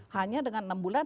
hanya dengan enam bulan